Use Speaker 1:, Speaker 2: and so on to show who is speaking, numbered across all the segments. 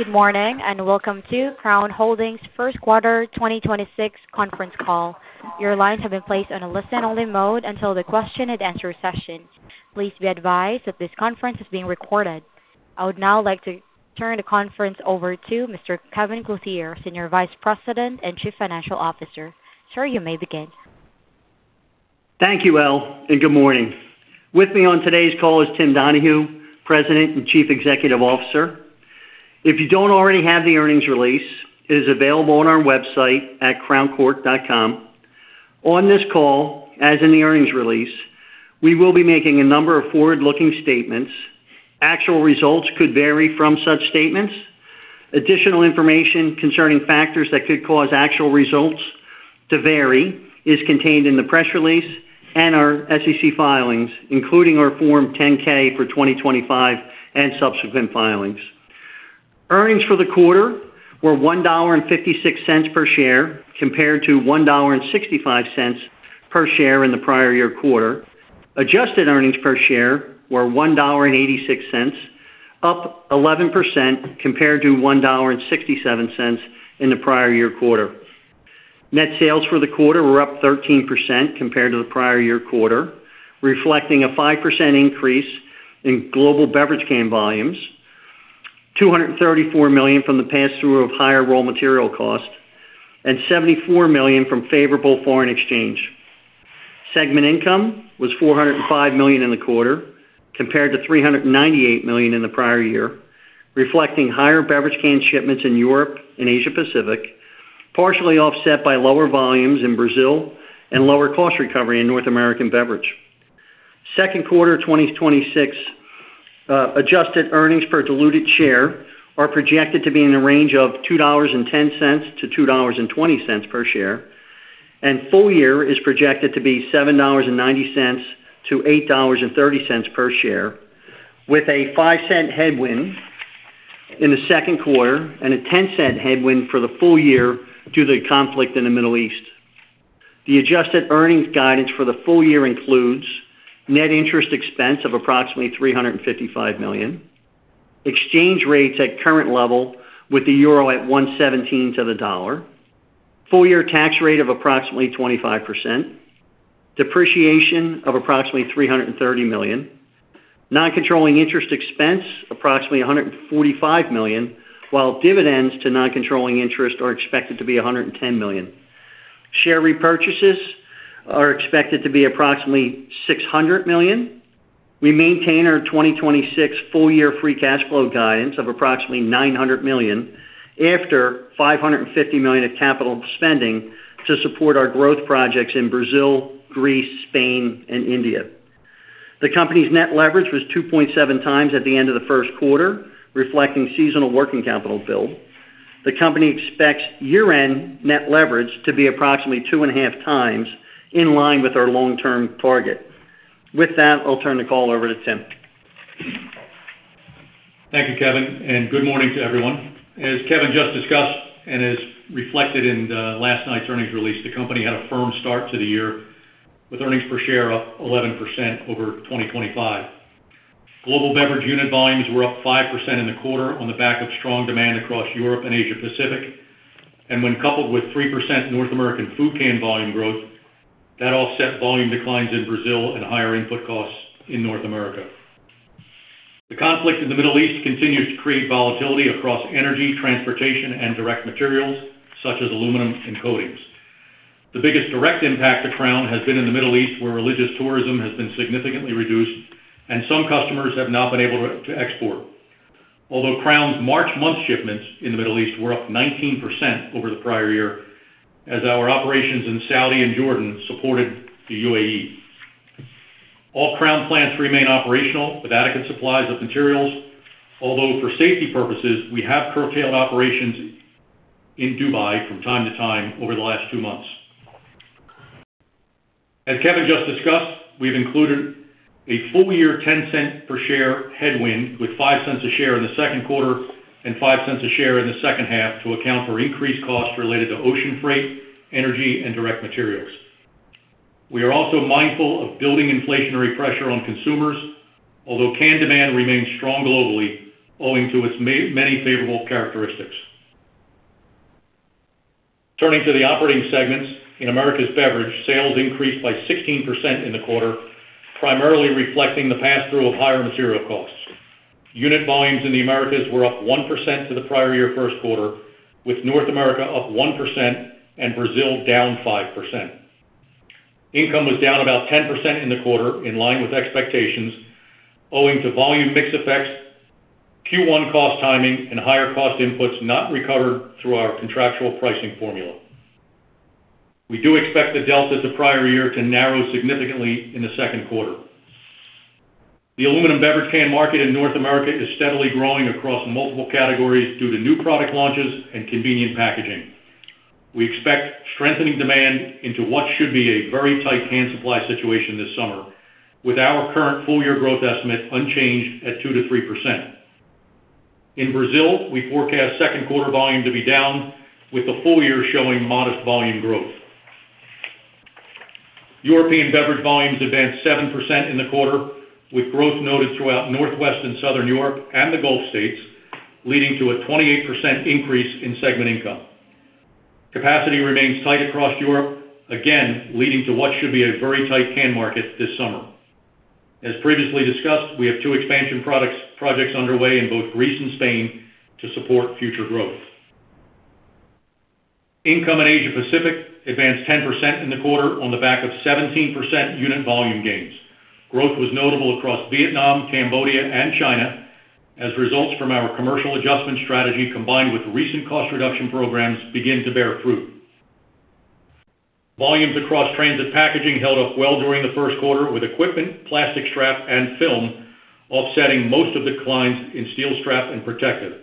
Speaker 1: Good morning, welcome to Crown Holdings Q1 2026 conference call. Your lines have been placed on a listen-only mode until the question and answer session. Please be advised that this conference is being recorded. I would now like to turn the conference over to Mr. Kevin C. Clothier, Senior Vice President and Chief Financial Officer. Sir, you may begin.
Speaker 2: Thank you, Elle. Good morning. With me on today's call is Timothy J. Donahue, President and Chief Executive Officer. If you don't already have the earnings release, it is available on our website at crowncork.com. On this call, as in the earnings release, we will be making a number of forward-looking statements. Actual results could vary from such statements. Additional information concerning factors that could cause actual results to vary is contained in the press release and our SEC filings, including our Form 10-K for 2025 and subsequent filings. Earnings for the quarter were $1.56 per share, compared to $1.65 per share in the prior year quarter. Adjusted earnings per share were $1.86, up 11% compared to $1.67 in the prior year quarter. Net sales for the quarter were up 13% compared to the prior year quarter, reflecting a 5% increase in global beverage can volumes, $234 million from the pass-through of higher raw material cost, and $74 million from favorable foreign exchange. Segment income was $405 million in the quarter, compared to $398 million in the prior year, reflecting higher beverage can shipments in Europe and Asia Pacific, partially offset by lower volumes in Brazil and lower cost recovery in Americas Beverage. Q2 2026 adjusted earnings per diluted share are projected to be in the range of $2.10-$2.20 per share. Full year is projected to be $7.90-$8.30 per share, with a $0.05 headwind in the Q2 and a $0.10 headwind for the full year due to the conflict in the Middle East. The adjusted earnings guidance for the full year includes net interest expense of approximately $355 million, exchange rates at current level with the euro at 1.17 to the dollar, full year tax rate of approximately 25%, depreciation of approximately $330 million, non-controlling interest expense approximately $145 million. Dividends to non-controlling interest are expected to be $110 million. Share repurchases are expected to be approximately $600 million. We maintain our 2026 full year free cash flow guidance of approximately $900 million after $550 million of capital spending to support our growth projects in Brazil, Greece, Spain, and India. The company's net leverage was 2.7 times at the end of the Q1, reflecting seasonal working capital build. The company expects year-end net leverage to be approximately 2.5 times, in line with our long-term target. With that, I'll turn the call over to Tim.
Speaker 3: Thank you, Kevin, and good morning to everyone. As Kevin just discussed and is reflected in last night's earnings release, the company had a firm start to the year with earnings per share up 11% over 2025. Global beverage unit volumes were up 5% in the quarter on the back of strong demand across Europe and Asia Pacific. When coupled with 3% North American food can volume growth, that offset volume declines in Brazil and higher input costs in North America. The conflict in the Middle East continues to create volatility across energy, transportation, and direct materials such as aluminum and coatings. The biggest direct impact to Crown has been in the Middle East, where religious tourism has been significantly reduced and some customers have not been able to export. Although Crown's March month shipments in the Middle East were up 19% over the prior year as our operations in Saudi and Jordan supported the UAE. All Crown plants remain operational with adequate supplies of materials, although for safety purposes, we have curtailed operations in Dubai from time to time over the last two months. As Kevin just discussed, we've included a full year $0.10 per share headwind with $0.05 a share in the Q2 and $0.05 a share in the second half to account for increased costs related to ocean freight, energy, and direct materials. We are also mindful of building inflationary pressure on consumers, although can demand remains strong globally owing to its many favorable characteristics. Turning to the operating segments, in Americas Beverage, sales increased by 16% in the quarter, primarily reflecting the pass-through of higher material costs. Unit volumes in the Americas were up 1% to the prior year 1st quarter, with North America up 1% and Brazil down 5%. Income was down about 10% in the quarter in line with expectations owing to volume mix effects, Q1 cost timing, and higher cost inputs not recovered through our contractual pricing formula. We do expect the delta to prior year to narrow significantly in the Q2. The aluminum beverage can market in North America is steadily growing across multiple categories due to new product launches and convenient packaging. We expect strengthening demand into what should be a very tight can supply situation this summer, with our current full-year growth estimate unchanged at 2%-3%. In Brazil, we forecast Q2 volume to be down, with the full year showing modest volume growth. European beverage volumes advanced 7% in the quarter, with growth noted throughout Northwest and Southern Europe and the Gulf States, leading to a 28% increase in segment income. Capacity remains tight across Europe, again, leading to what should be a very tight can market this summer. As previously discussed, we have two expansion projects underway in both Greece and Spain to support future growth. Income in Asia Pacific advanced 10% in the quarter on the back of 17% unit volume gains. Growth was notable across Vietnam, Cambodia and China as results from our commercial adjustment strategy, combined with recent cost reduction programs, begin to bear fruit. Volumes across Transit Packaging held up well during the Q1, with equipment, plastic strap, and film offsetting most of declines in steel strap and protective.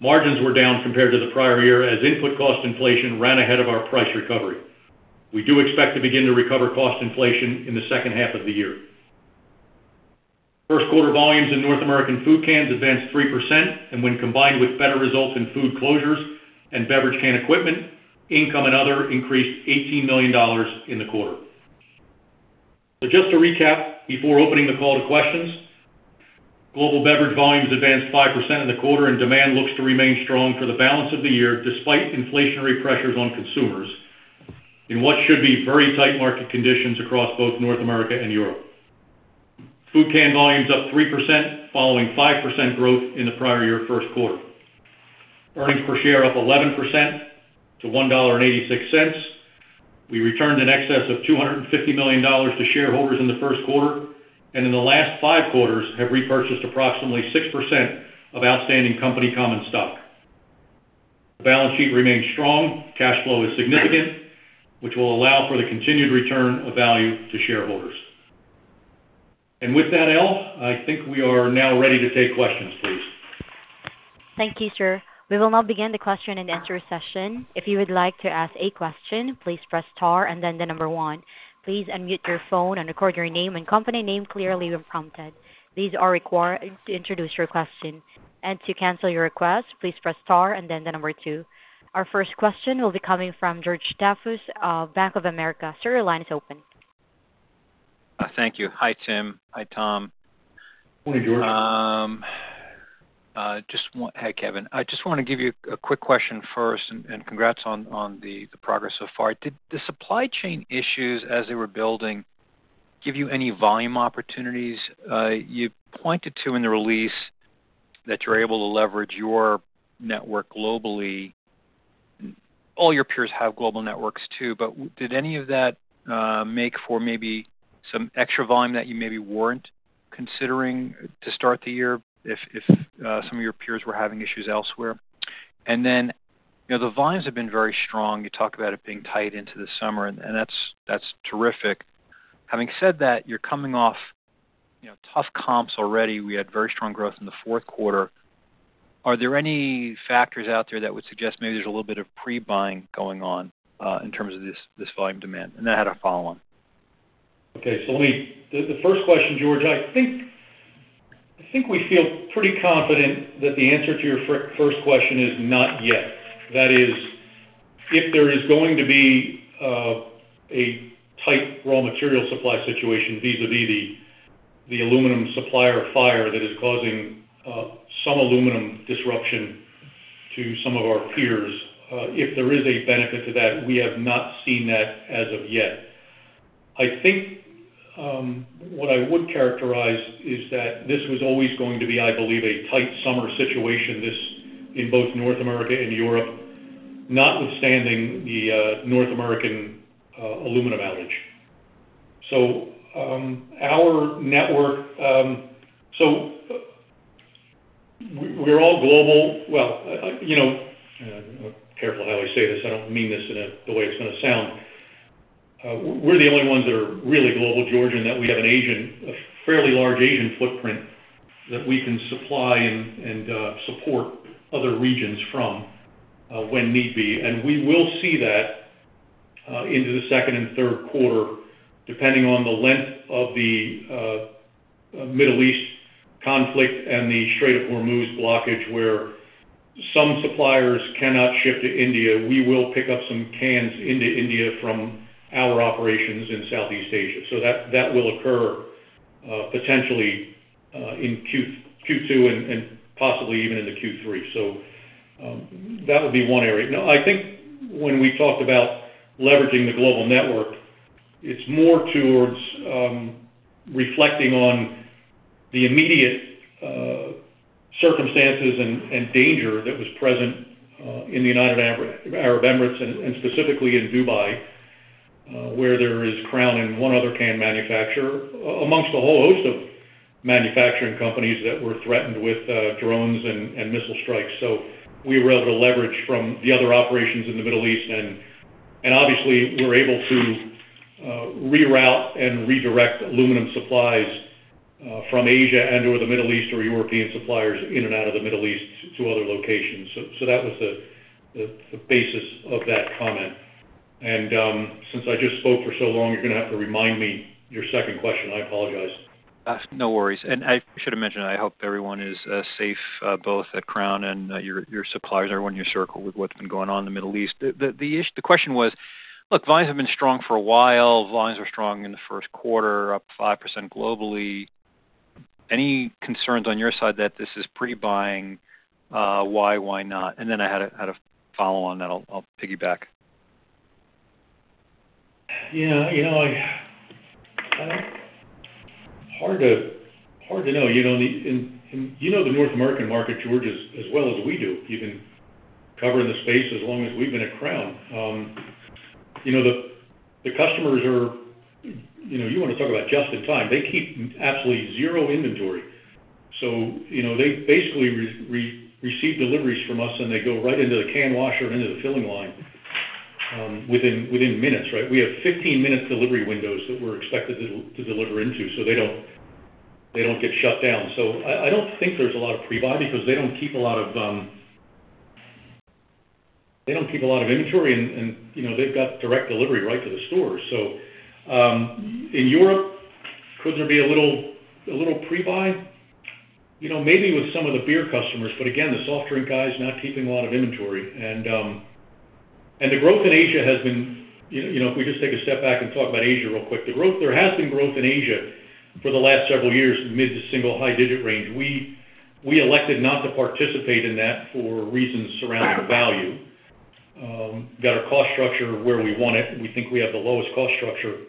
Speaker 3: Margins were down compared to the prior year as input cost inflation ran ahead of our price recovery. We do expect to begin to recover cost inflation in the second half of the year. Q1 volumes in North American food cans advanced 3%, and when combined with better results in food closures and beverage can equipment, income and other increased $18 million in the quarter. Just to recap before opening the call to questions. Global beverage volumes advanced 5% in the quarter, and demand looks to remain strong for the balance of the year despite inflationary pressures on consumers in what should be very tight market conditions across both North America and Europe. Food can volumes up 3% following 5% growth in the prior year Q1. Earnings per share up 11% to $1.86. We returned in excess of $250 million to shareholders in the Q1, and in the last 5 quarters have repurchased approximately 6% of outstanding company common stock. The balance sheet remains strong. Cash flow is significant, which will allow for the continued return of value to shareholders. With that, Elle, I think we are now ready to take questions, please.
Speaker 1: Thank you, sir. We will now begin the question and answer session. Our first question will be coming from George Staphos of Bank of America. Sir, your line is open.
Speaker 4: Thank you. Hi, Tim. Hi, Tom.
Speaker 3: Hey, George.
Speaker 4: Hi, Kevin. I just want to give you a quick question first, and congrats on the progress so far. Did the supply chain issues as they were building give you any volume opportunities? You pointed to in the release that you're able to leverage your network globally. All your peers have global networks too, but did any of that make for maybe some extra volume that you maybe weren't considering to start the year if some of your peers were having issues elsewhere? You know, the volumes have been very strong. You talk about it being tight into the summer, and that's terrific. Having said that, you're coming off, you know, tough comps already. We had very strong growth in the Q4. Are there any factors out there that would suggest maybe there's a little bit of pre-buying going on, in terms of this volume demand? I had a follow on.
Speaker 3: Okay. Let me the first question, George, I think, I think we feel pretty confident that the answer to your first question is not yet. That is, if there is going to be a tight raw material supply situation vis-a-vis the aluminum supplier fire that is causing some aluminum disruption to some of our peers, if there is a benefit to that, we have not seen that as of yet. I think, what I would characterize is that this was always going to be, I believe, a tight summer situation, this in both North America and Europe, notwithstanding the North American aluminum outage. We're all global. Well, you know, careful how I say this, I don't mean this in the way it's gonna sound. We're the only ones that are really global, George, in that we have a fairly large Asian footprint that we can supply and support other regions from when need be. We will see that into the second and Q3, depending on the length of the Middle East conflict and the Strait of Hormuz blockage, where some suppliers cannot ship to India. We will pick up some cans into India from our operations in Southeast Asia. That, that will occur potentially in Q2 and possibly even into Q3. That would be one area. No, I think when we talked about leveraging the global network, it's more towards reflecting on the immediate circumstances and danger that was present in the United Arab Emirates and specifically in Dubai, where there is Crown and one other can manufacturer amongst a whole host of manufacturing companies that were threatened with drones and missile strikes. We were able to leverage from the other operations in the Middle East. Obviously, we were able to reroute and redirect aluminum supplies from Asia or the Middle East or European suppliers in and out of the Middle East to other locations. That was the basis of that comment. Since I just spoke for so long, you're gonna have to remind me your second question. I apologize.
Speaker 4: No worries. I should have mentioned, I hope everyone is safe, both at Crown and your suppliers, everyone in your circle with what's been going on in the Middle East. The question was, look, volumes have been strong for a while. Volumes were strong in the Q1, up 5% globally. Any concerns on your side that this is pre-buying? Why? Why not? Then I had a, had a follow on that I'll piggyback.
Speaker 3: Yeah. You know, hard to know. You know, you know the North American market, George, as well as we do, you've been covering the space as long as we've been at Crown. You know, the customers are, you know, you wanna talk about just in time. They keep absolutely zero inventory. You know, they basically receive deliveries from us, and they go right into the can washer and into the filling line, within minutes, right? We have 15-minute delivery windows that we're expected to deliver into, they don't get shut down. I don't think there's a lot of pre-buy because they don't keep a lot of, they don't keep a lot of inventory and, you know, they've got direct delivery right to the store. In Europe, could there be a little pre-buy? You know, maybe with some of the beer customers, but again, the soft drink guys not keeping a lot of inventory. The growth in Asia has been. You know, if we just take a step back and talk about Asia real quick. There has been growth in Asia for the last several years, mid to single high digit range. We elected not to participate in that for reasons surrounding the value. Got our cost structure where we want it. We think we have the lowest cost structure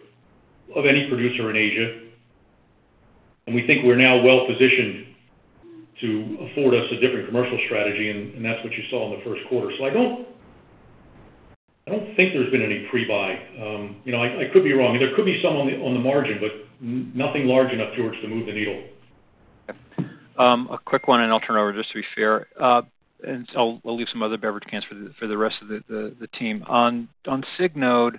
Speaker 3: of any producer in Asia. We think we're now well-positioned to afford us a different commercial strategy, and that's what you saw in the Q1. I don't think there's been any pre-buy. You know, I could be wrong. There could be some on the, on the margin, but nothing large enough, George, to move the needle.
Speaker 4: A quick one, and I'll turn it over just to be fair. I'll leave some other beverage cans for the rest of the team. On Signode,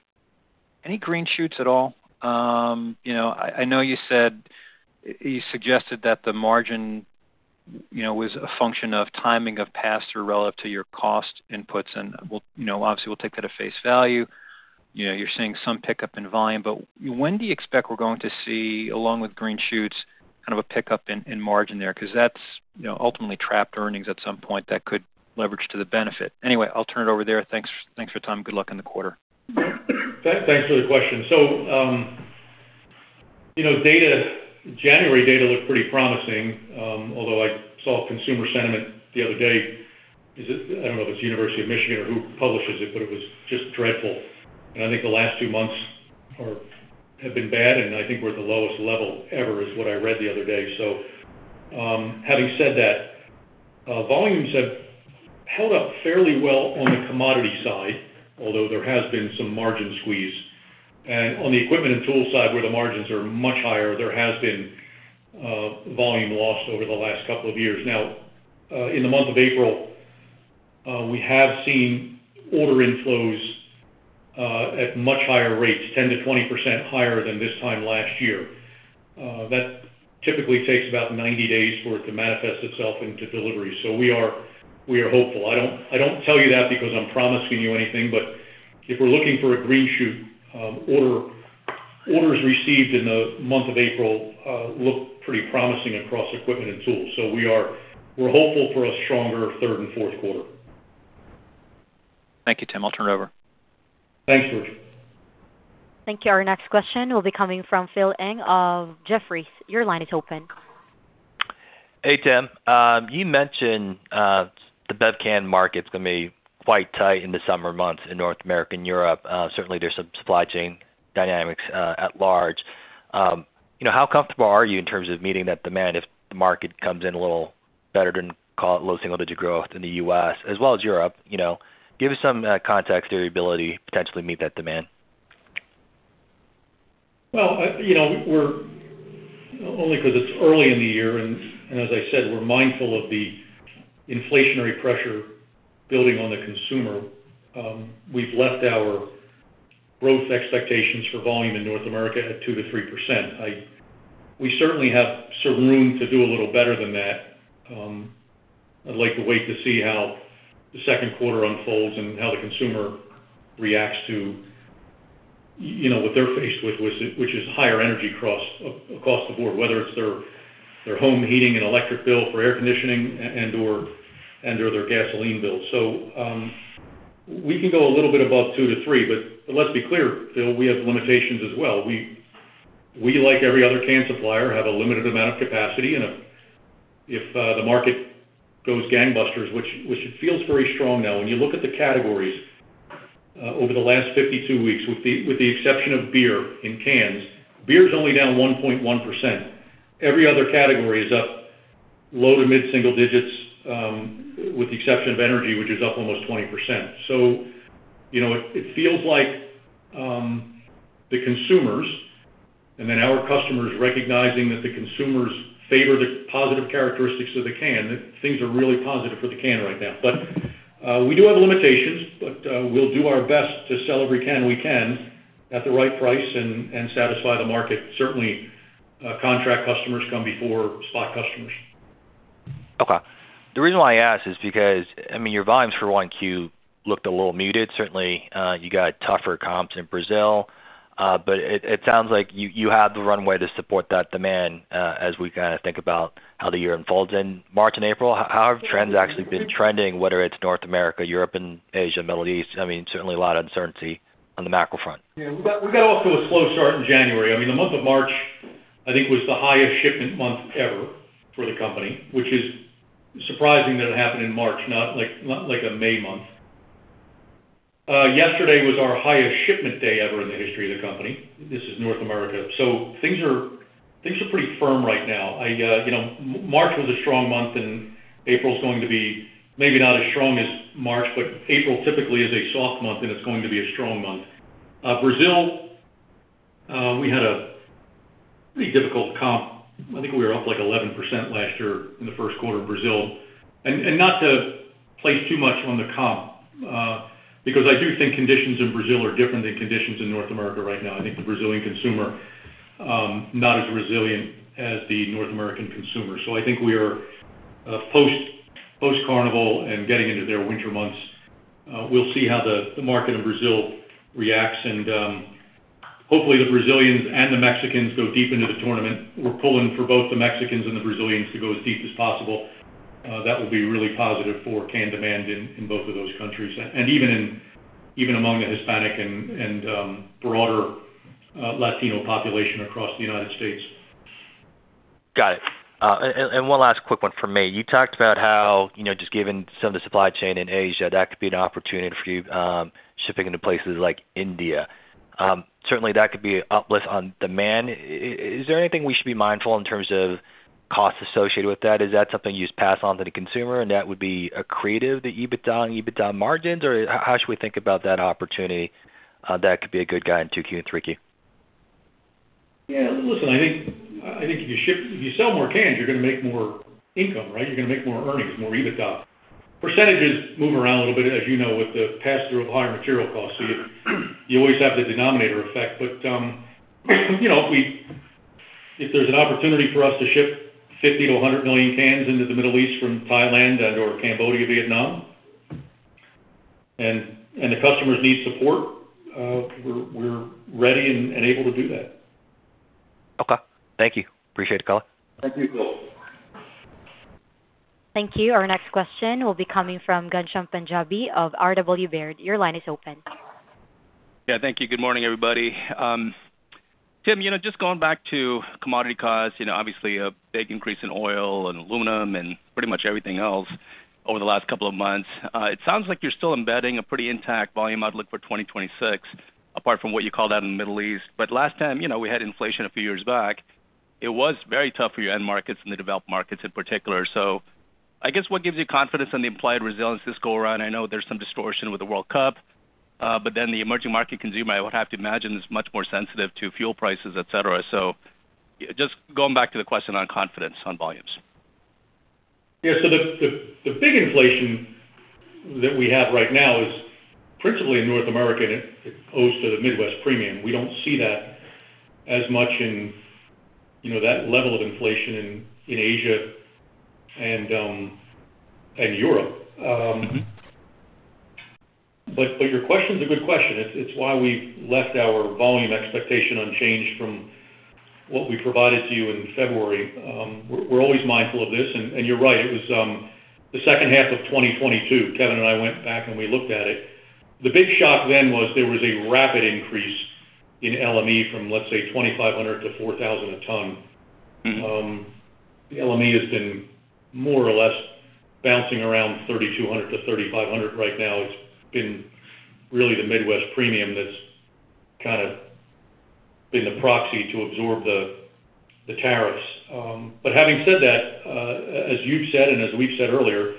Speaker 4: any green shoots at all? You know, I know you suggested that the margin, you know, was a function of timing of pass-through relative to your cost inputs, and we'll, you know, obviously we'll take that at face value. You know, you're seeing some pickup in volume, when do you expect we're going to see, along with green shoots, kind of a pickup in margin there? 'Cause that's, you know, ultimately trapped earnings at some point that could leverage to the benefit. Anyway, I'll turn it over there. Thanks for your time. Good luck in the quarter.
Speaker 3: Thanks for the question. You know, data, January data looked pretty promising. Although I saw consumer sentiment the other day, is it, I don't know if it's University of Michigan or who publishes it, but it was just dreadful. I think the last two months have been bad, and I think we're at the lowest level ever, is what I read the other day. Having said that, volumes have held up fairly well on the commodity side, although there has been some margin squeeze. On the equipment and tool side, where the margins are much higher, there has been volume loss over the last couple of years. Now, in the month of April, we have seen order inflows at much higher rates, 10%-20% higher than this time last year. That typically takes about 90 days for it to manifest itself into delivery. We are, we are hopeful. I don't, I don't tell you that because I'm promising you anything, but if we're looking for a green shoot, order, orders received in the month of April, look pretty promising across equipment and tools. We are, we're hopeful for a stronger third and Q4.
Speaker 4: Thank you, Tim. I'll turn it over.
Speaker 3: Thanks, George.
Speaker 1: Thank you. Our next question will be coming from Philip Ng of Jefferies. Your line is open.
Speaker 5: Hey, Tim. You mentioned the beverage cans market's gonna be quite tight in the summer months in North America and Europe. Certainly there's some supply chain dynamics at large. You know, how comfortable are you in terms of meeting that demand if the market comes in a little better than call it low single-digit growth in the U.S. as well as Europe? You know, give us some context to your ability to potentially meet that demand.
Speaker 3: Well, you know, we're only 'cause it's early in the year and as I said, we're mindful of the inflationary pressure building on the consumer. We've left our growth expectations for volume in North America at 2%-3%. We certainly have some room to do a little better than that. I'd like to wait to see how the Q2 unfolds and how the consumer reacts to, you know, what they're faced with, which is, which is higher energy across the board, whether it's their home heating and electric bill for air conditioning and/or, and/or their gasoline bill. We can go a little bit above 2%-3%, but let's be clear, Phil, we have limitations as well. We, like every other can supplier, have a limited amount of capacity and if the market goes gangbusters, which it feels very strong now. When you look at the categories over the last 52 weeks with the exception of beer in cans, beer's only down 1.1%. Every other category is up low to mid single digits with the exception of energy, which is up almost 20%. You know, it feels like the consumers and then our customers recognizing that the consumers favor the positive characteristics of the can, that things are really positive for the can right now. We do have limitations, but we'll do our best to sell every can we can at the right price and satisfy the market. Certainly, contract customers come before spot customers.
Speaker 5: Okay. The reason why I ask is because, I mean, your volumes for 1Q looked a little muted. Certainly, you got tougher comps in Brazil. It sounds like you have the runway to support that demand, as we kinda think about how the year unfolds in March and April. How have trends actually been trending, whether it's North America, Europe, and Asia, Middle East? I mean, certainly a lot of uncertainty on the macro front.
Speaker 3: Yeah. We got off to a slow start in January. I mean, the month of March, I think, was the highest shipment month ever for the company, which is surprising that it happened in March, not like a May month. Yesterday was our highest shipment day ever in the history of the company. This is North America. Things are pretty firm right now. I, you know, March was a strong month, April's going to be maybe not as strong as March, but April typically is a soft month, it's going to be a strong month. Brazil, we had a pretty difficult comp. I think we were up, like, 11% last year in the Q1 of Brazil. Not to place too much on the comp, because I do think conditions in Brazil are different than conditions in North America right now. I think the Brazilian consumer, not as resilient as the North American consumer. I think we are post-Carnival and getting into their winter months. We'll see how the market in Brazil reacts. Hopefully, the Brazilians and the Mexicans go deep into the tournament. We're pulling for both the Mexicans and the Brazilians to go as deep as possible. That will be really positive for can demand in both of those countries, and even among the Hispanic and broader Latino population across the United States.
Speaker 5: Got it. One last quick one from me. You talked about how, you know, just given some of the supply chain in Asia, that could be an opportunity for you, shipping into places like India. Certainly, that could be an uplift on demand. Is there anything we should be mindful in terms of costs associated with that? Is that something you just pass on to the consumer, and that would be accretive to EBITDA and EBITDA margins? How should we think about that opportunity, that could be a good guide in 2Q and 3Q?
Speaker 3: Yeah. Listen, I think if you sell more cans, you're going to make more income, right? You're going to make more earnings, more EBITDA. Percentages move around a little bit, as you know, with the pass-through of higher material costs, you always have the denominator effect. You know, if there's an opportunity for us to ship 50 to 100 million cans into the Middle East from Thailand and/or Cambodia, Vietnam, and the customers need support, we're ready and able to do that.
Speaker 5: Okay. Thank you. Appreciate the color.
Speaker 3: Thank you, Philip.
Speaker 1: Thank you. Our next question will be coming from Ghansham Panjabi of R.W. Baird. Your line is open.
Speaker 6: Thank you. Good morning, everybody. Tim, you know, just going back to commodity costs, you know, obviously a big increase in oil and aluminum and pretty much everything else over the last couple of months. It sounds like you're still embedding a pretty intact volume outlook for 2026, apart from what you called out in the Middle East. Last time, you know, we had inflation a few years back, it was very tough for your end markets, in the developed markets in particular. I guess what gives you confidence on the implied resilience this go around? I know there's some distortion with the World Cup, the emerging market consumer, I would have to imagine, is much more sensitive to fuel prices, et cetera. Just going back to the question on confidence on volumes.
Speaker 3: The big inflation that we have right now is principally in North America, and it owes to the Midwest Premium. We don't see that as much in, you know, that level of inflation in Asia and Europe.
Speaker 6: Mm-hmm.
Speaker 3: Your question's a good question. It's why we left our volume expectation unchanged from what we provided to you in February. We're always mindful of this. You're right, it was the second half of 2022, Kevin and I went back, and we looked at it. The big shock then was there was a rapid increase in LME from, let's say, $2,500-$4,000 a ton.
Speaker 6: Mm-hmm.
Speaker 3: The LME has been more or less bouncing around $3,200-$3,500 right now. It's been really the Midwest Premium that's kinda been the proxy to absorb the tariffs. Having said that, as you've said and as we've said earlier,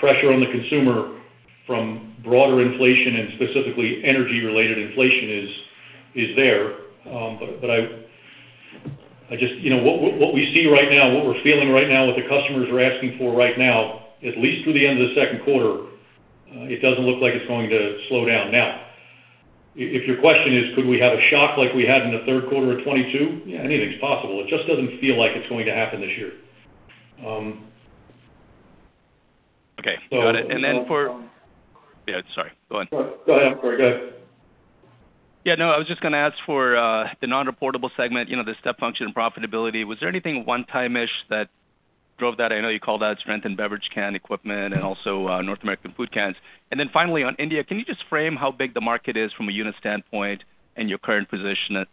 Speaker 3: pressure on the consumer from broader inflation and specifically energy-related inflation is there. I just, you know, what we see right now, what we're feeling right now, what the customers are asking for right now, at least through the end of the Q2, it doesn't look like it's going to slow down. Now, if your question is, could we have a shock like we had in the Q3 of 2022? Yeah, anything's possible. It just doesn't feel like it's going to happen this year.
Speaker 6: Okay. Got it.
Speaker 3: So-
Speaker 6: Yeah, sorry. Go ahead.
Speaker 3: Go ahead. I'm sorry. Go ahead.
Speaker 6: Yeah, no, I was just gonna ask for the non-reportable segment, you know, the step function and profitability. Was there anything one-time-ish that drove that? I know you called out strength in beverage can equipment and also North American food cans. Finally, on India, can you just frame how big the market is from a unit standpoint and your current position,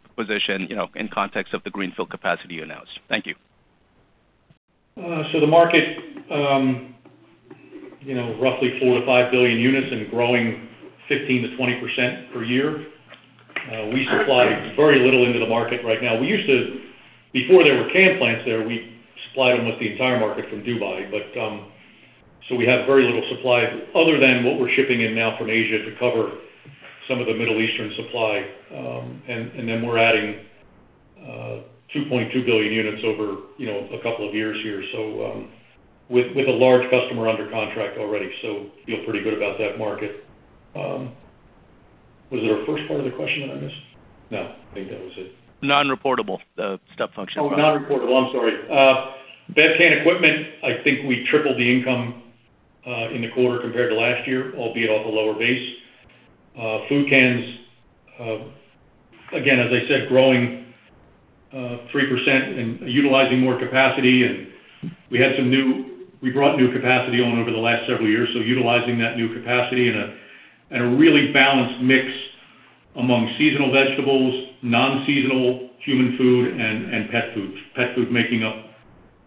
Speaker 6: you know, in context of the greenfield capacity you announced? Thank you.
Speaker 3: So the market, you know, roughly four to five billion units and growing 15%-20% per year. We supply very little into the market right now. Before there were can plants there, we supplied almost the entire market from Dubai. We have very little supply other than what we're shipping in now from Asia to cover some of the Middle Eastern supply. We're adding 2.2 billion units over, you know, a couple of years here, with a large customer under contract already. Feel pretty good about that market. Was it our first part of the question that I missed? No, I think that was it.
Speaker 6: Non-reportable, the step function.
Speaker 3: Non-reportable. I'm sorry. bev can equipment, I think we tripled the income in the quarter compared to last year, albeit off a lower base. food cans, again, as I said, growing 3% and utilizing more capacity. We brought new capacity on over the last several years, so utilizing that new capacity in a really balanced mix among seasonal vegetables, non-seasonal human food and pet food. Pet food making up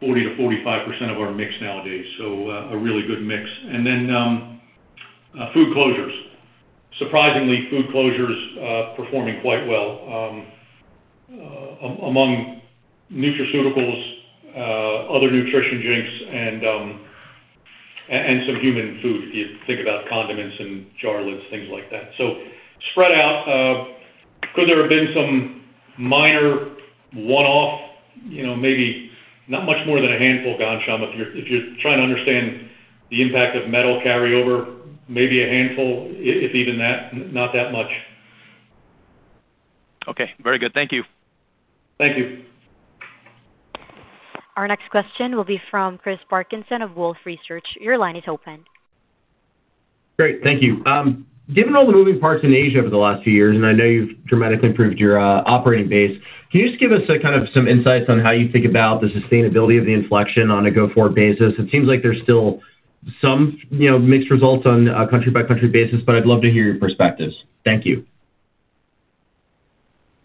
Speaker 3: 40%-45% of our mix nowadays. A really good mix. food closures. Surprisingly, food closures performing quite well among nutraceuticals, other nutrition drinks and some human food, if you think about condiments and jar lids, things like that. Spread out, could there have been some minor one-off, you know, maybe not much more than a handful, Ghansham, if you're trying to understand the impact of metal carryover, maybe a handful, if even that, not that much.
Speaker 6: Okay. Very good. Thank you.
Speaker 3: Thank you.
Speaker 1: Our next question will be from Chris Parkinson of Wolfe Research. Your line is open.
Speaker 7: Great. Thank you. Given all the moving parts in Asia over the last few years, and I know you've dramatically improved your operating base, can you just give us a kind of some insights on how you think about the sustainability of the inflection on a go-forward basis? It seems like there's still some, you know, mixed results on a country-by-country basis, but I'd love to hear your perspectives. Thank you.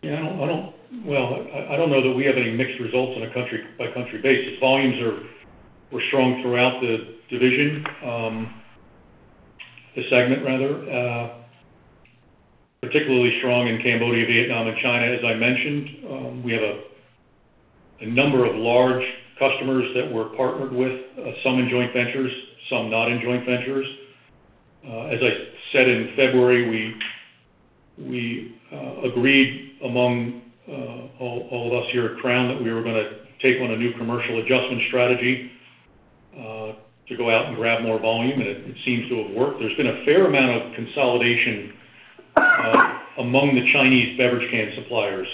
Speaker 3: Yeah, I don't know that we have any mixed results on a country-by-country basis. Volumes were strong throughout the division, the segment rather. Particularly strong in Cambodia, Vietnam, and China, as I mentioned. We have a number of large customers that we're partnered with, some in joint ventures, some not in joint ventures. As I said, in February, we agreed among all of us here at Crown that we were gonna take on a new commercial adjustment strategy to go out and grab more volume, it seems to have worked. There's been a fair amount of consolidation among the Chinese beverage can suppliers.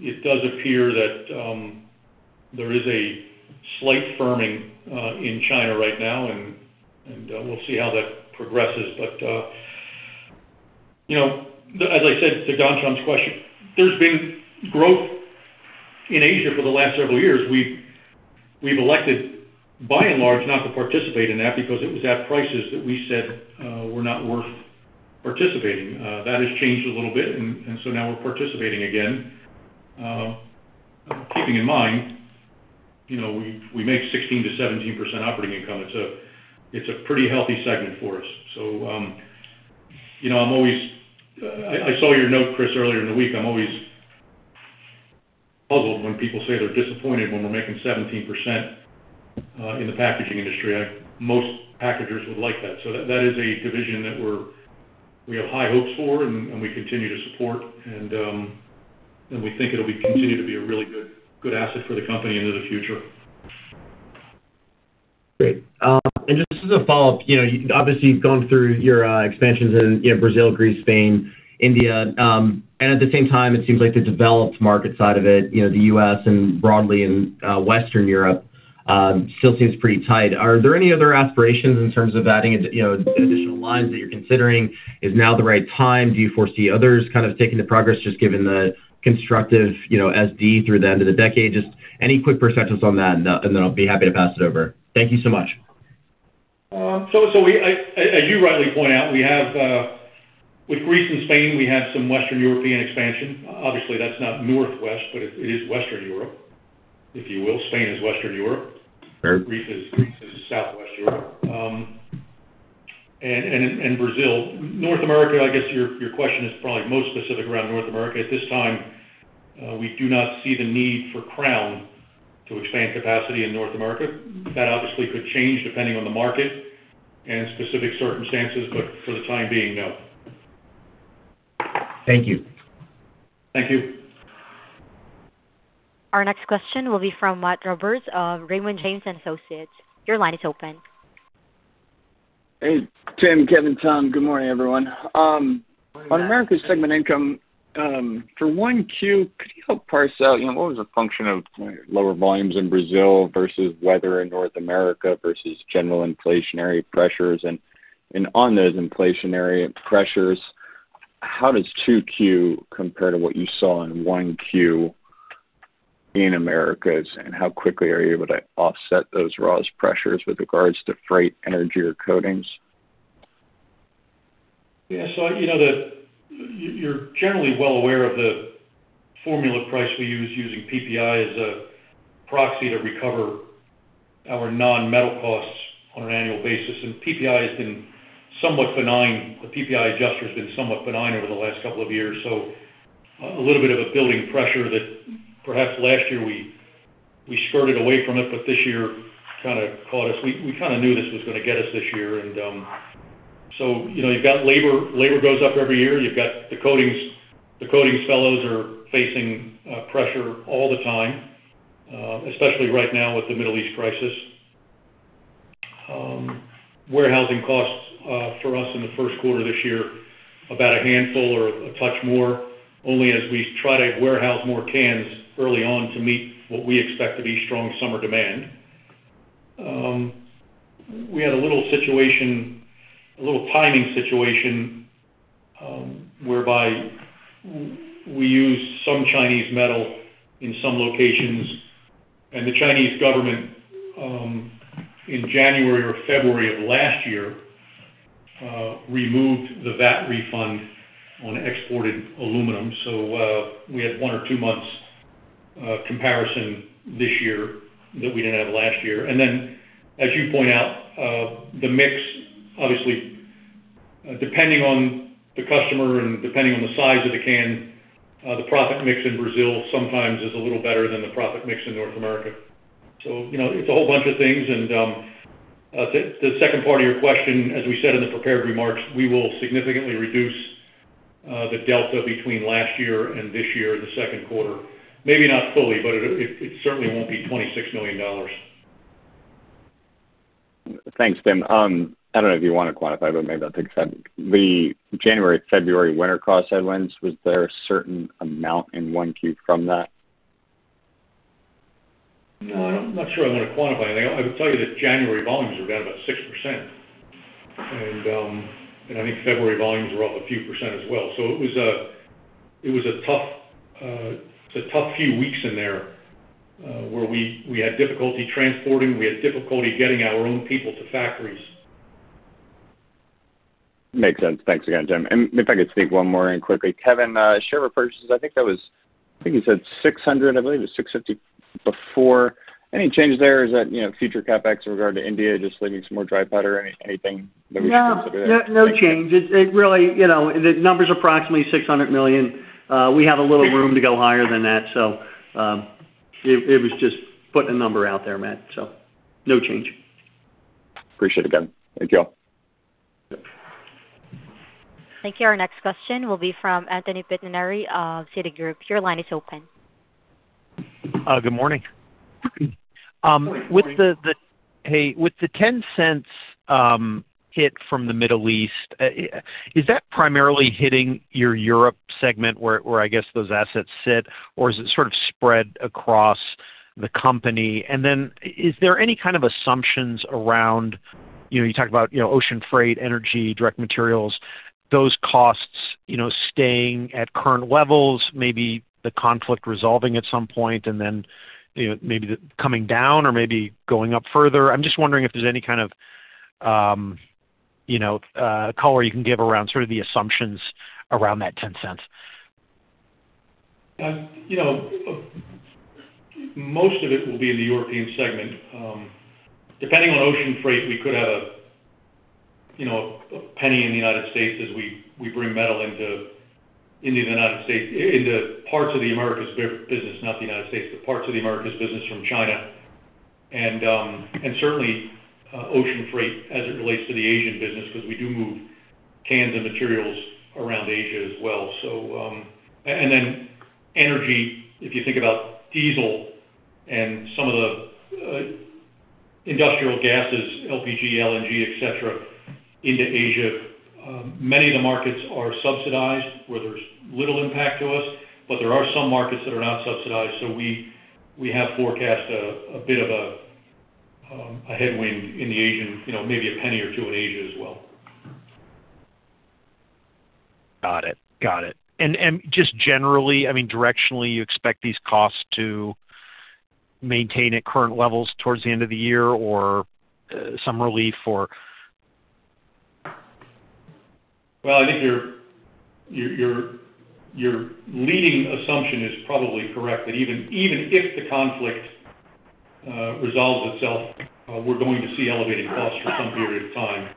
Speaker 3: It does appear that there is a slight firming in China right now, and we'll see how that progresses. You know, as I said to Ghansham's question, there's been growth in Asia for the last several years. We've elected, by and large, not to participate in that because it was at prices that we said, were not worth participating. That has changed a little bit, and so now we're participating again. Keeping in mind, you know, we make 16%-17% operating income. It's a pretty healthy segment for us. You know, I saw your note, Chris, earlier in the week. I'm always puzzled when people say they're disappointed when we're making 17% in the packaging industry. Most packagers would like that. That is a division that we have high hopes for and we continue to support and we think it'll continue to be a really good asset for the company into the future.
Speaker 7: Great. Just as a follow-up, you know, obviously, you've gone through your expansions in, you know, Brazil, Greece, Spain, India, and at the same time, it seems like the developed market side of it, you know, the U.S. and broadly in Western Europe, still seems pretty tight. Are there any other aspirations in terms of adding, you know, additional lines that you're considering? Is now the right time? Do you foresee others kind of taking the progress, just given the constructive, you know, S&D through the end of the decade? Just any quick perspectives on that, and then I'll be happy to pass it over. Thank you so much.
Speaker 3: I, as you rightly point out, we have with Greece and Spain, we have some Western European expansion. Obviously, that's not Northwest, but it is Western Europe, if you will. Spain is Western Europe.
Speaker 7: Fair.
Speaker 3: Greece is Southwest Europe. Brazil. North America, I guess your question is probably most specific around North America. At this time, we do not see the need for Crown to expand capacity in North America. That obviously could change depending on the market and specific circumstances, but for the time being, no.
Speaker 7: Thank you.
Speaker 3: Thank you.
Speaker 1: Our next question will be from Matt Roberts of Raymond James & Associates. Your line is open.
Speaker 8: Hey, Tim, Kevin, Tom. Good morning, everyone. On Americas segment income, for 1Q could you help parse out, you know, what was the function of lower volumes in Brazil versus weather in North America versus general inflationary pressures? On those inflationary pressures, how does 2Q compare to what you saw in 1Q in Americas, and how quickly are you able to offset those raws pressures with regards to freight, energy or coatings?
Speaker 3: Yeah. You know that you're generally well aware of the formula price we use using PPI as a proxy to recover our non-metal costs on an annual basis. PPI has been somewhat benign. The PPI adjuster has been somewhat benign over the last couple of years. A little bit of a building pressure that perhaps last year we skirted away from it, but this year kind of caught us. We kind of knew this was gonna get us this year. You know, you've got labor. Labor goes up every year. You've got the coatings. The coatings fellows are facing pressure all the time. Especially right now with the Middle East crisis. Warehousing costs for us in the Q1 this year, about a handful or a touch more, only as we try to warehouse more cans early on to meet what we expect to be strong summer demand. We had a little situation, a little timing situation, whereby we use some Chinese metal in some locations, and the Chinese government in January or February of last year removed the VAT refund on exported aluminum. We had one or two months comparison this year that we didn't have last year. As you point out, the mix, obviously, depending on the customer and depending on the size of the can, the profit mix in Brazil sometimes is a little better than the profit mix in North America. You know, it's a whole bunch of things and, the second part of your question, as we said in the prepared remarks, we will significantly reduce the delta between last year and this year in the Q2. Maybe not fully, but it certainly won't be $26 million.
Speaker 8: Thanks, Tim. I don't know if you wanna quantify, but maybe that's accepted. The January, February winter cost headwinds, was there a certain amount in one Q from that?
Speaker 3: No, I'm not sure I wanna quantify anything. I would tell you that January volumes were down about 6%. I think February volumes were up a few % as well. It was a tough, it's a tough few weeks in there, where we had difficulty transporting, we had difficulty getting our own people to factories.
Speaker 8: Makes sense. Thanks again, Tim. If I could sneak one more in quickly. Kevin, share repurchases, I think you said $600, I believe it was $650 before. Any change there? Is that, you know, future CapEx in regard to India, just leaving some more dry powder? Anything that we should consider there?
Speaker 2: No, no change. It really, you know, the number's approximately $600 million. We have a little room to go higher than that. It was just putting a number out there, Matt. No change.
Speaker 8: Appreciate it, Kevin. Thank you.
Speaker 3: Yeah.
Speaker 1: Thank you. Our next question will be from Anthony Pettinari of Citigroup. Your line is open.
Speaker 9: Good morning.
Speaker 3: Good morning.
Speaker 9: With the $0.10 hit from the Middle East, is that primarily hitting your Europe segment where I guess those assets sit, or is it sort of spread across the company? Is there any kind of assumptions around, you know, you talk about, you know, ocean freight, energy, direct materials, those costs, you know, staying at current levels, maybe the conflict resolving at some point, and then, you know, maybe coming down or maybe going up further. I'm just wondering if there's any kind of, you know, color you can give around sort of the assumptions around that $0.10.
Speaker 3: You know, most of it will be in the European segment. Depending on ocean freight, we could have, you know, $0.01 in the U.S. as we bring metal into India and U.S., into parts of the Americas business, not the U.S., but parts of the Americas business from China. Certainly, ocean freight as it relates to the Asian business, 'cause we do move cans and materials around Asia as well. And then energy, if you think about diesel and some of the industrial gases, LPG, LNG, et cetera, into Asia, many of the markets are subsidized, where there's little impact to us, but there are some markets that are not subsidized. We have forecast a bit of a headwind in the Asian, you know, maybe $0.01 or $0.02 in Asia as well.
Speaker 9: Got it. Got it. Just generally, I mean, directionally, you expect these costs to maintain at current levels towards the end of the year or some relief?
Speaker 3: Well, I think your leading assumption is probably correct, that even if the conflict resolves itself, we're going to see elevated costs for some period of time.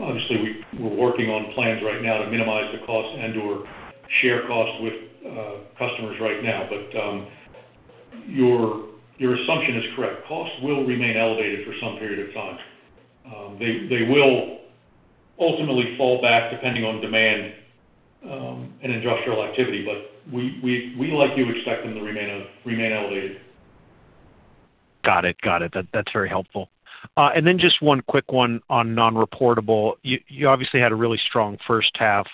Speaker 3: Obviously we're working on plans right now to minimize the cost and/or share costs with customers right now. Your assumption is correct. Costs will remain elevated for some period of time. They will ultimately fall back depending on demand and industrial activity. We, like you, expect them to remain elevated.
Speaker 9: Got it. Got it. That's very helpful. Then just one quick one on non-reportable. You obviously had a really strong first half,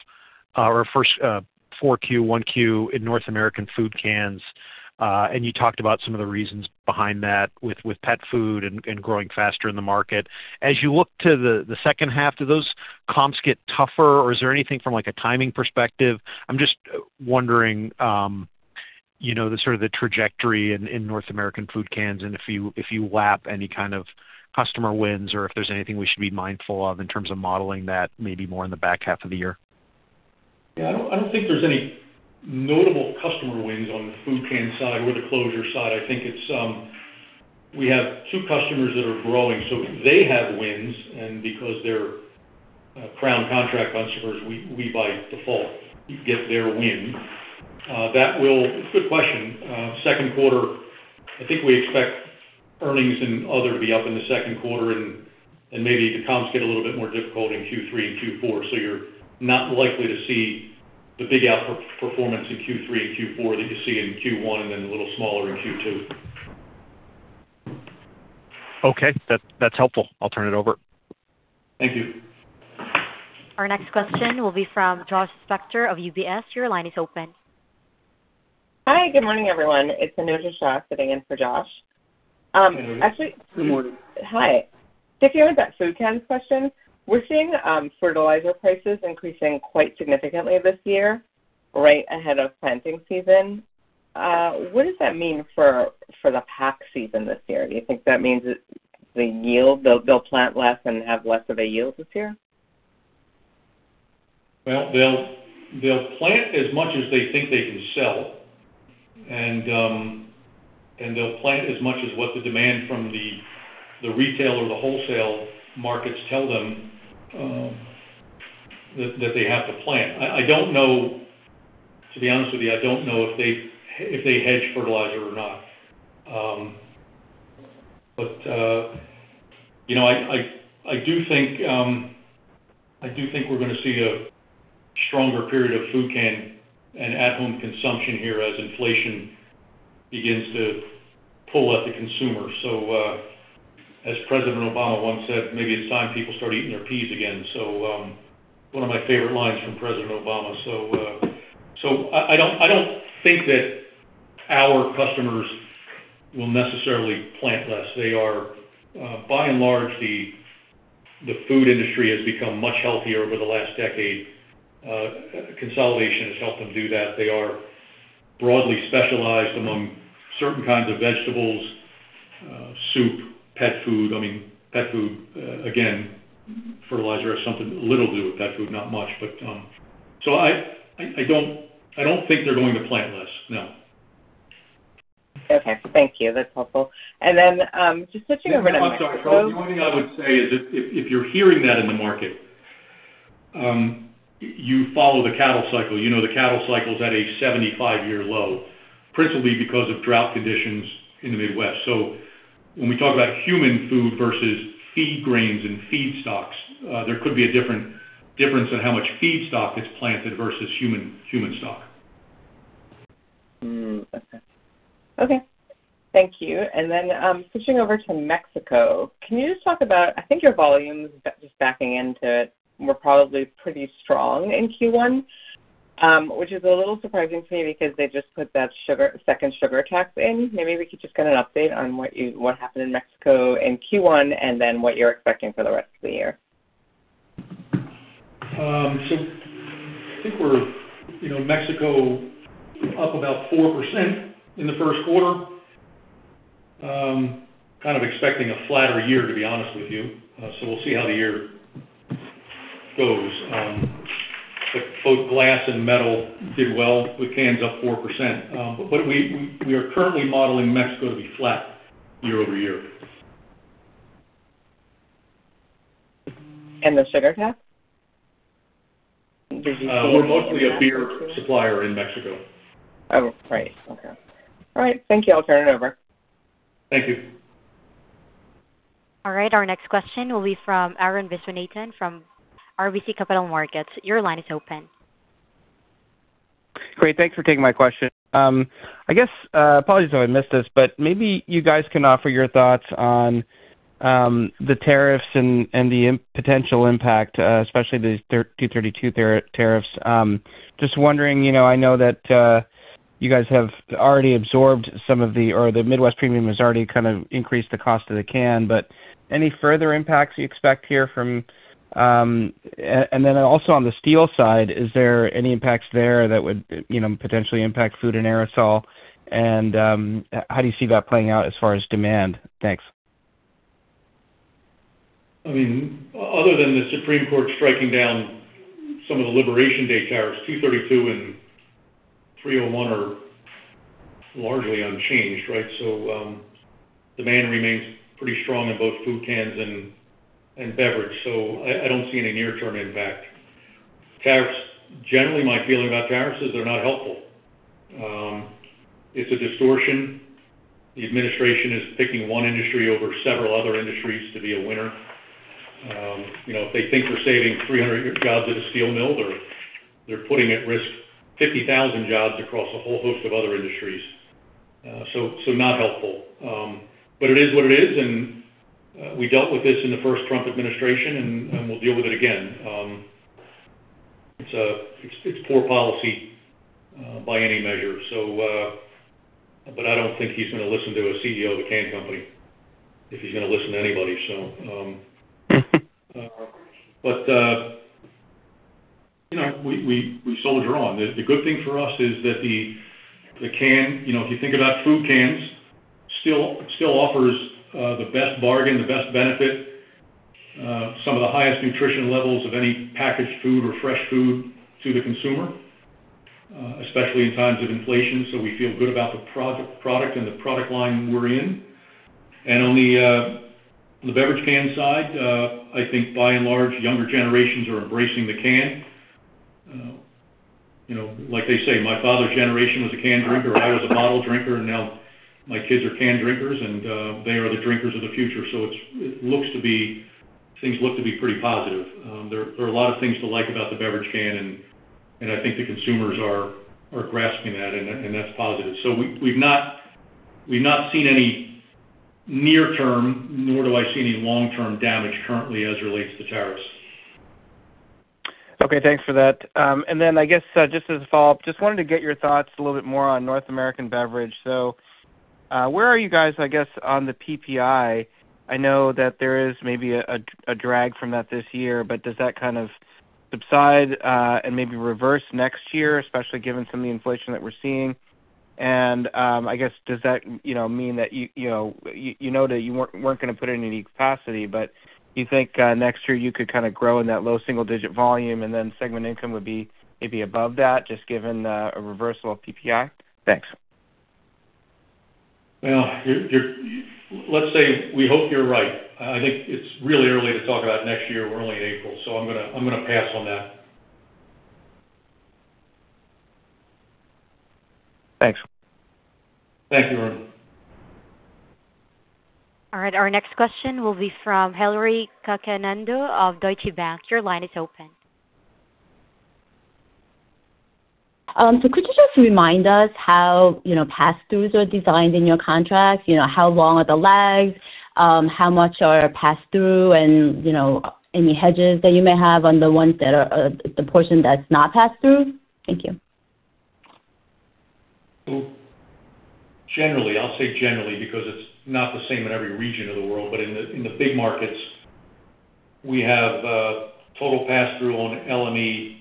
Speaker 9: or first, Q4, Q1 in North American food cans. You talked about some of the reasons behind that with pet food and growing faster in the market. As you look to the second half, do those comps get tougher or is there anything from like a timing perspective? I'm just wondering, you know, the sort of the trajectory in North American food cans and if you lap any kind of customer wins or if there's anything we should be mindful of in terms of modeling that maybe more in the back half of the year.
Speaker 3: Yeah. I don't think there's any notable customer wins on the food can side or the closure side. I think it's, we have two customers that are growing, so they have wins. Because they're, Crown contract customers, we by default get their win. Good question. Q2, I think we expect earnings and other to be up in the Q2 and maybe the comps get a little bit more difficult in Q3 and Q4. You're not likely to see the big outperformance in Q3 and Q4 that you see in Q1, and then a little smaller in Q2.
Speaker 9: Okay. That's helpful. I'll turn it over.
Speaker 3: Thank you.
Speaker 1: Our next question will be from Joshua Spector of UBS. Your line is open.
Speaker 10: Hi, good morning, everyone. It's Anojja Shah sitting in for Josh.
Speaker 3: Good morning.
Speaker 10: Hi. Sticking with that food cans question, we're seeing fertilizer prices increasing quite significantly this year right ahead of planting season. What does that mean for the pack season this year? Do you think that means that they'll plant less and have less of a yield this year?
Speaker 3: They'll plant as much as they think they can sell. They'll plant as much as what the demand from the retail or the wholesale markets tell them that they have to plant. I don't know. To be honest with you, I don't know if they hedge fertilizer or not. You know, I do think we're gonna see a stronger period of food can and at-home consumption here as inflation begins to pull at the consumer. As President Obama once said, "Maybe it's time people start eating their peas again." One of my favorite lines from President Obama. I don't think that our customers will necessarily plant less. They are, by and large, the food industry has become much healthier over the last decade. Consolidation has helped them do that. They are broadly specialized among certain kinds of vegetables, soup, pet food. I mean, pet food, again, fertilizer has something, a little to do with pet food, not much. I don't think they're going to plant less, no.
Speaker 10: Okay. Thank you. That's helpful. Just switching over to Mexico-
Speaker 3: I'm sorry. The only thing I would say is if you're hearing that in the market, you follow the cattle cycle. You know the cattle cycle is at a 75-year low, principally because of drought conditions in the Midwest. When we talk about human food versus feed grains and feedstocks, there could be a difference in how much feedstock gets planted versus human stock.
Speaker 10: Okay. Okay. Thank you. Switching over to Mexico, can you just talk about, I think your volumes, just backing into it, were probably pretty strong in Q1, which is a little surprising to me because they just put that second sugar tax in. Maybe we could just get an update on what happened in Mexico in Q1 and then what you're expecting for the rest of the year.
Speaker 3: I think we're, you know, Mexico up about 4% in the Q1. Kind of expecting a flatter year, to be honest with you. We'll see how the year goes. Both glass and metal did well, with cans up 4%. We are currently modeling Mexico to be flat year-over-year.
Speaker 10: The sugar tax?
Speaker 3: We're mostly a beer supplier in Mexico.
Speaker 10: Oh, right. Okay. All right. Thank you. I'll turn it over.
Speaker 3: Thank you.
Speaker 1: All right, our next question will be from Arun Viswanathan from RBC Capital Markets. Your line is open.
Speaker 11: Great. Thanks for taking my question. I guess, apologies if I missed this, but maybe you guys can offer your thoughts on the tariffs and the potential impact, especially the 232 Tariffs. Just wondering, you know, I know that you guys have already absorbed some of the or the Midwest Premium has already kind of increased the cost of the can, but any further impacts you expect here from, and then also on the steel side, is there any impacts there that would, you know, potentially impact food and aerosol? How do you see that playing out as far as demand? Thanks.
Speaker 3: I mean, other than the Supreme Court striking down some of the Liberation Day tariffs, 232 and 301 are largely unchanged, right? Demand remains pretty strong in both food cans and beverage. I don't see any near term impact. Generally, my feeling about tariffs is they're not helpful. It's a distortion. The administration is picking one industry over several other industries to be a winner. You know, if they think they're saving 300 jobs at a steel mill, they're putting at risk 50,000 jobs across a whole host of other industries. So not helpful. It is what it is, and we dealt with this in the first Trump administration and we'll deal with it again. It's poor policy by any measure. I don't think he's gonna listen to a CEO of a can company if he's gonna listen to anybody, so. You know, we soldier on. The good thing for us is that the can, you know, if you think about food cans, still offers the best bargain, the best benefit, some of the highest nutritional levels of any packaged food or fresh food to the consumer, especially in times of inflation. We feel good about the product and the product line we're in. On the beverage can side, I think by and large, younger generations are embracing the can. You know, like they say, my father's generation was a can drinker, I was a bottle drinker, and now my kids are can drinkers, and they are the drinkers of the future. Things look to be pretty positive. There are a lot of things to like about the beverage can, and I think the consumers are grasping that, and that's positive. We've not seen any near term, nor do I see any long-term damage currently as it relates to tariffs.
Speaker 11: Okay, thanks for that. I guess, just as a follow-up, just wanted to get your thoughts a little bit more on Americas Beverage. Where are you guys, I guess, on the PPI? I know that there is maybe a drag from that this year, but does that kind of subside and maybe reverse next year, especially given some of the inflation that we're seeing? I guess, does that, you know, mean that you know that you weren't gonna put it in any capacity, but do you think next year you could kinda grow in that low single-digit volume, and then segment income would be maybe above that just given the a reversal of PPI? Thanks.
Speaker 3: Well, you're let's say we hope you're right. I think it's really early to talk about next year. We're only in April. I'm gonna pass on that.
Speaker 11: Thanks.
Speaker 3: Thank you, Arun Viswanathan.
Speaker 1: All right, our next question will be from Hillary Cacanando of Deutsche Bank. Your line is open.
Speaker 12: Could you just remind us how, you know, pass-throughs are designed in your contract? You know, how long are the lags? How much are pass-through? You know, any hedges that you may have on the ones that are, the portion that's not pass-through? Thank you.
Speaker 3: Generally, I'll say generally because it's not the same in every region of the world, but in the, in the big markets, we have total pass-through on LME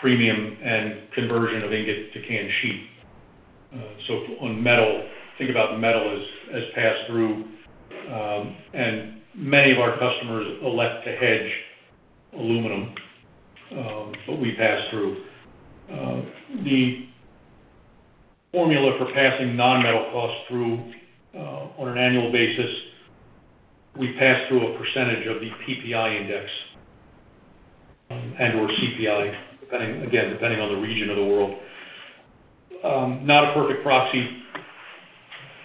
Speaker 3: premium and conversion of ingot to canned sheet. On metal, think about metal as pass-through. Many of our customers elect to hedge aluminum, but we pass through. The formula for passing non-metal costs through on an annual basis, we pass through a percentage of the PPI index and/or CPI, depending, again, depending on the region of the world. Not a perfect proxy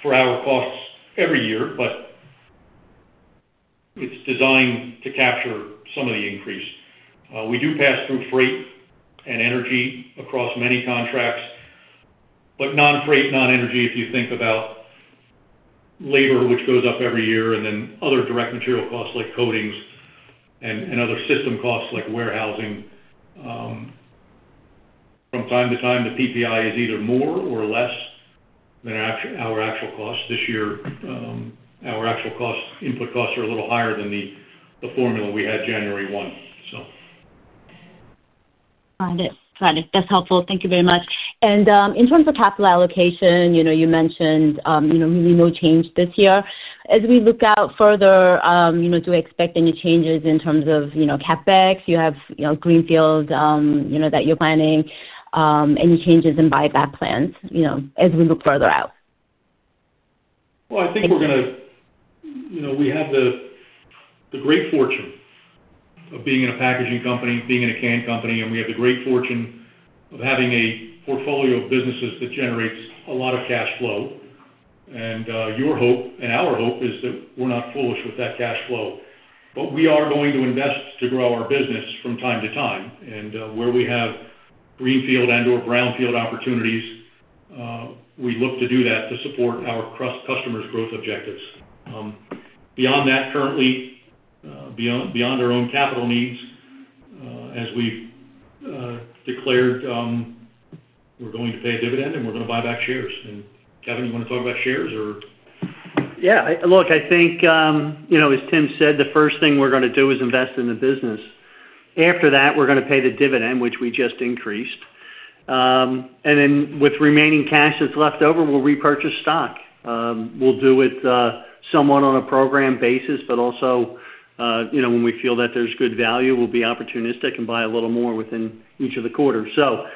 Speaker 3: for our costs every year, but it's designed to capture some of the increase. We do pass through freight and energy across many contracts. Non-freight, non-energy, if you think about labor, which goes up every year, and then other direct material costs like coatings and other system costs like warehousing, from time to time, the PPI is either more or less than our actual cost. This year, our actual cost, input costs are a little higher than the formula we had January 1.
Speaker 12: Got it. Got it. That's helpful. Thank you very much. In terms of capital allocation, you know, you mentioned, you know, no change this year. As we look out further, you know, do you expect any changes in terms of, you know, CapEx? You have, you know, greenfield, you know, that you're planning. Any changes in buyback plans, you know, as we look further out?
Speaker 3: Well, I think we're gonna. You know, we have the great fortune of being in a packaging company, being in a can company, and we have the great fortune of having a portfolio of businesses that generates a lot of cash flow. Your hope and our hope is that we're not foolish with that cash flow. We are going to invest to grow our business from time to time. Where we have greenfield and/or brownfield opportunities, we look to do that to support our customers' growth objectives. Beyond that, currently, beyond our own capital needs, as we've declared, we're going to pay a dividend and we're gonna buy back shares. Kevin, you wanna talk about shares or?
Speaker 2: Yeah. Look, I think, you know, as Tim said, the first thing we're gonna do is invest in the business. After that, we're gonna pay the dividend, which we just increased. Then with remaining cash that's left over, we'll repurchase stock. We'll do it somewhat on a program basis, but also, you know, when we feel that there's good value, we'll be opportunistic and buy a little more within each of the quarters. Look,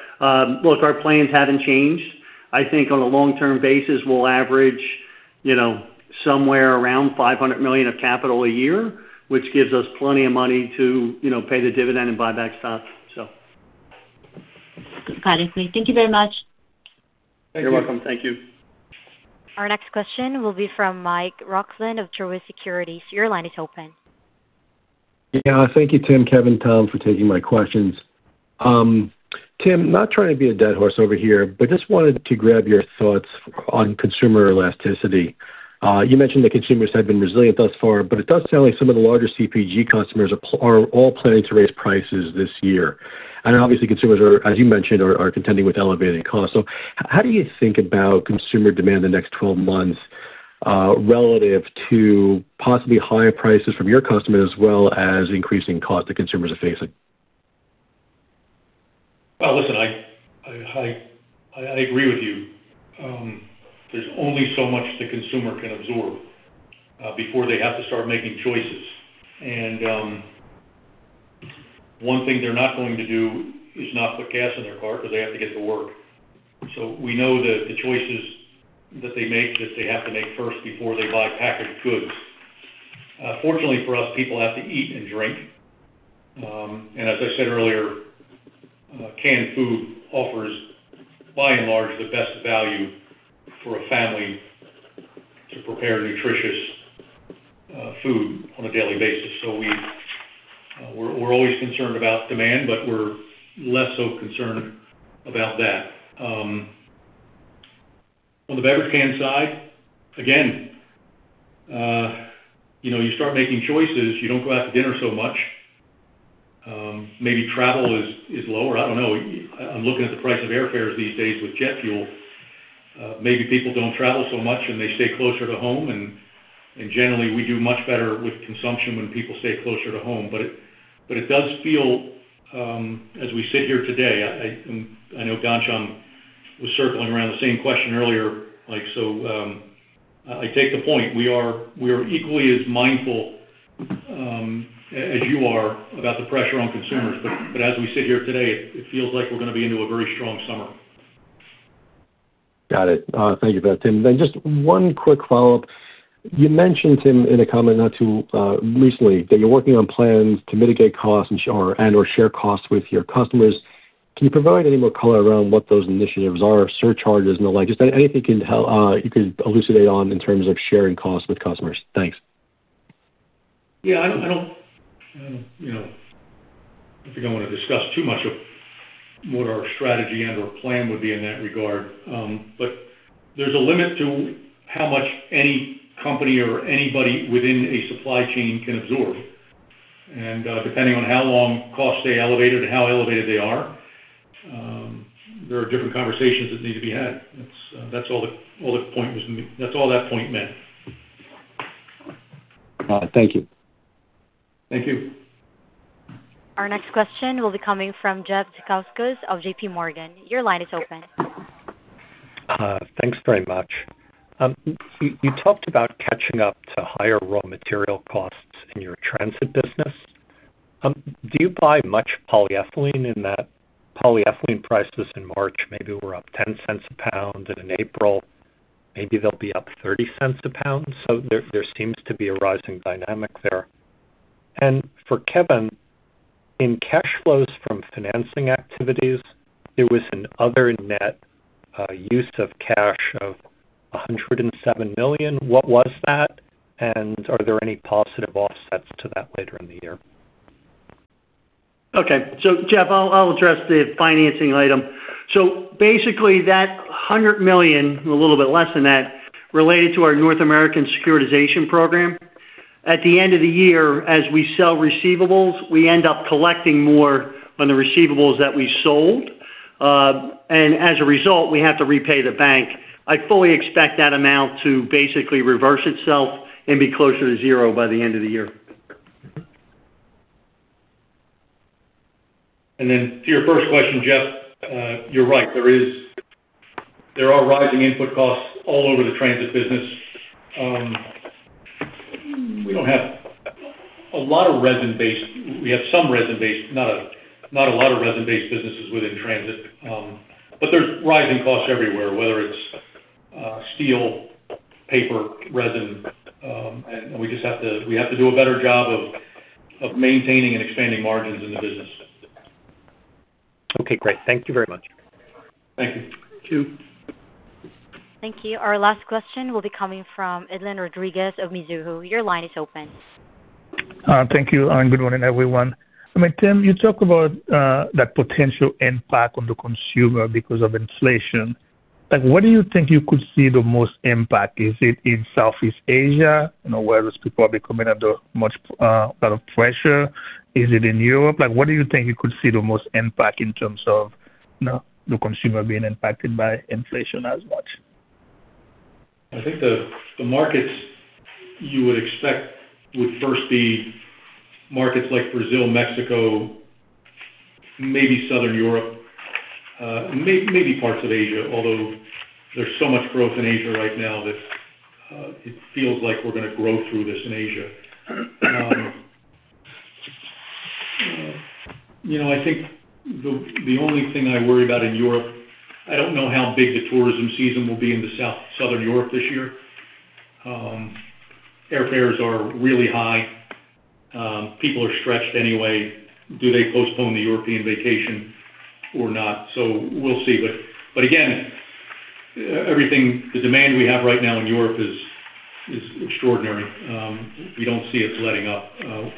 Speaker 2: our plans haven't changed. I think on a long-term basis, we'll average, you know, somewhere around $500 million of capital a year, which gives us plenty of money to, you know, pay the dividend and buy back stock. So.
Speaker 12: Got it, please. Thank you very much.
Speaker 3: Thank you.
Speaker 2: You're welcome. Thank you.
Speaker 1: Our next question will be from Michael Roxland of Truist Securities. Your line is open.
Speaker 13: Thank you, Tim, Kevin, Tom, for taking my questions. Tim, not trying to be a dead horse over here, but just wanted to grab your thoughts on consumer elasticity. You mentioned the consumers have been resilient thus far, but it does sound like some of the larger CPG customers are all planning to raise prices this year. Obviously, consumers are, as you mentioned, are contending with elevated costs. How do you think about consumer demand the next 12 months, relative to possibly higher prices from your customers as well as increasing costs that consumers are facing?
Speaker 3: Listen, I agree with you. There's only so much the consumer can absorb before they have to start making choices. One thing they're not going to do is not put gas in their car because they have to get to work. We know that the choices that they make, that they have to make first before they buy packaged goods. Fortunately for us, people have to eat and drink. As I said earlier, canned food offers by and large the best value for a family to prepare nutritious food on a daily basis. We're always concerned about demand, but we're less so concerned about that. On the beverage can side, again, you know, you start making choices. You don't go out to dinner so much. Maybe travel is lower. I don't know. I'm looking at the price of airfares these days with jet fuel. Maybe people don't travel so much, and they stay closer to home. Generally, we do much better with consumption when people stay closer to home. It does feel, as we sit here today, I know Ghansham was circling around the same question earlier. I take the point. We are equally as mindful as you are about the pressure on consumers. As we sit here today, it feels like we're gonna be into a very strong summer.
Speaker 13: Got it. Thank you for that, Tim. Just one quick follow-up. You mentioned, Tim, in a comment not too recently, that you're working on plans to mitigate costs and or share costs with your customers. Can you provide any more color around what those initiatives are, surcharges and the like? Just anything can help you could elucidate on in terms of sharing costs with customers? Thanks.
Speaker 3: Yeah, I don't, you know, I think I wanna discuss too much of what our strategy and/or plan would be in that regard. There's a limit to how much any company or anybody within a supply chain can absorb. Depending on how long costs stay elevated or how elevated they are, there are different conversations that need to be had. That's all that point meant.
Speaker 13: Thank you.
Speaker 3: Thank you.
Speaker 1: Our next question will be coming from Jeffrey Zekauskas of J.P. Morgan. Your line is open.
Speaker 14: Thanks very much. You talked about catching up to higher raw material costs in your transit business. Do you buy much polyethylene in that? Polyethylene prices in March maybe were up $0.10 a pound. In April, maybe they'll be up $0.30 a pound. There seems to be a rising dynamic there. For Kevin, in cash flows from financing activities, there was an other net use of cash of $107 million. What was that? Are there any positive offsets to that later in the year?
Speaker 2: Okay. Jeff, I'll address the financing item. Basically, that $100 million, a little bit less than that, related to our North American securitization program. At the end of the year, as we sell receivables, we end up collecting more on the receivables that we sold. As a result, we have to repay the bank. I fully expect that amount to basically reverse itself and be closer to zero by the end of the year.
Speaker 3: To your first question, Jeffrey, you're right. There are rising input costs all over the Transit Packaging business. We don't have a lot of resin-based. We have some resin-based, not a lot of resin-based businesses within Transit Packaging. There's rising costs everywhere, whether it's steel, paper, resin, we have to do a better job of maintaining and expanding margins in the business.
Speaker 14: Okay, great. Thank you very much.
Speaker 3: Thank you.
Speaker 2: Thank you.
Speaker 1: Thank you. Our last question will be coming from Edgar Rodriguez of Mizuho. Your line is open.
Speaker 15: Thank you, and good morning, everyone. I mean, Tim, you talk about that potential impact on the consumer because of inflation. Like, where do you think you could see the most impact? Is it in Southeast Asia, you know, where those people are becoming under much, lot of pressure? Is it in Europe? Like, where do you think you could see the most impact in terms of, you know, the consumer being impacted by inflation as much?
Speaker 3: I think the markets you would expect would first be markets like Brazil, Mexico, maybe Southern Europe, maybe parts of Asia, although there's so much growth in Asia right now that it feels like we're gonna grow through this in Asia. You know, I think the only thing I worry about in Europe, I don't know how big the tourism season will be in Southern Europe this year. Airfares are really high. People are stretched anyway. Do they postpone the European vacation or not? We'll see. But again, everything the demand we have right now in Europe is extraordinary. We don't see it letting up.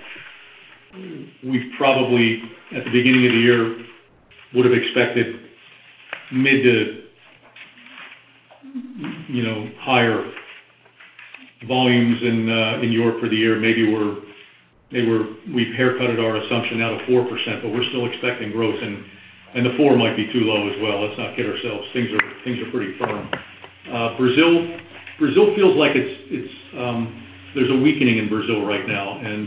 Speaker 3: We've probably, at the beginning of the year, would have expected mid to, you know, higher volumes in Europe for the year. Maybe we've haircutted our assumption out of 4%, but we're still expecting growth. The four might be too low as well. Let's not kid ourselves. Things are pretty firm. Brazil feels like it's, there's a weakening in Brazil right now, and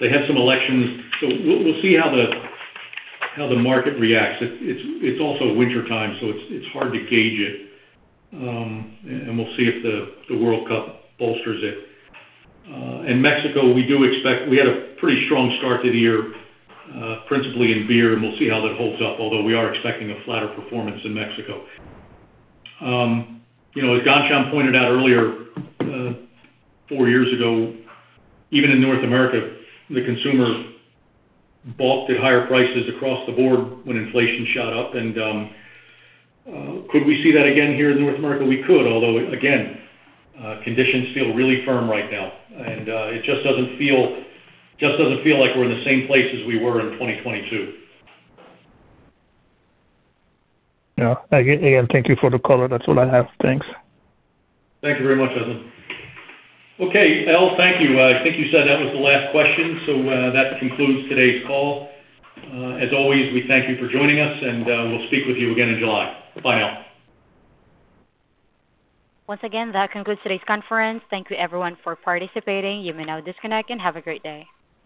Speaker 3: they have some elections, so we'll see how the market reacts. It's also wintertime, so it's hard to gauge it. We'll see if the World Cup bolsters it. In Mexico, we had a pretty strong start to the year, principally in beer, and we'll see how that holds up, although we are expecting a flatter performance in Mexico. you know, as Ghansham pointed out earlier, four years ago, even in North America, the consumer bought the higher prices across the board when inflation shot up. could we see that again here in North America? We could, although, again, conditions feel really firm right now. it just doesn't feel like we're in the same place as we were in 2022.
Speaker 15: Yeah. Again, thank you for the color. That's all I have. Thanks.
Speaker 3: Thank you very much, Edgar. Okay, Elle, thank you. I think you said that was the last question. That concludes today's call. As always, we thank you for joining us, and we'll speak with you again in July. Bye now.
Speaker 1: Once again, that concludes today's conference. Thank you, everyone, for participating. You may now disconnect and have a great day.